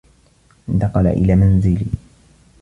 انتقل إلى منزلي.